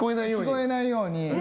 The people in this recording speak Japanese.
聞こえないように。